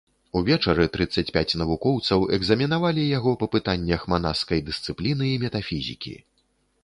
Увечары трыццаць пяць навукоўцаў экзаменавалі яго па пытаннях манаскай дысцыпліны і метафізікі.